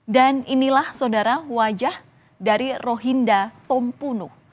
dan inilah saudara wajah dari rohinda tompunu